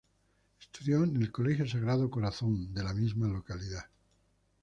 Estudió en el Colegio Sagrado Corazón de Jesús, de la misma localidad.